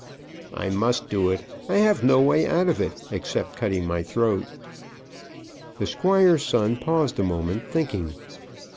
I must do it. I have no way out of it, except cutting my throat." The Squire's son paused a moment, thinking.